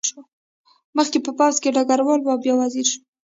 مخکې یې په پوځ کې ډګروال و او بیا وزیر شو.